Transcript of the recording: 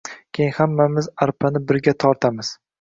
Keyin hammamiz arpani birga tortamiz